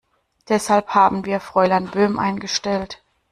Deshalb haben wir Fräulein Böhm eingestellt.